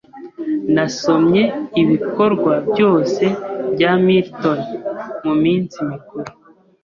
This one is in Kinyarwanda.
Nasomye ibikorwa byose bya Milton muminsi mikuru.